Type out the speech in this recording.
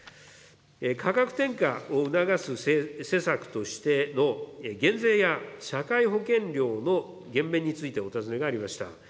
価格転嫁を促す施策としての減税や社会保険料の減免についてお尋ねがありました。